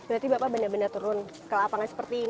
berarti bapak benar benar turun ke lapangan seperti ini